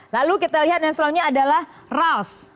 lalu kita lihat yang selanjutnya adalah ralf